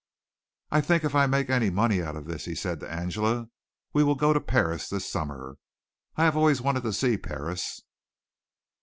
"I think if I make any money out of this," he said to Angela, "we will go to Paris this summer. I have always wanted to see Paris.